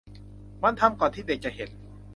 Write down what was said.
มันทำก่อนที่เด็กจะเห็น